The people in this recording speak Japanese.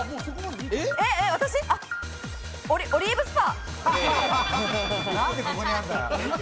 オリーブスパ？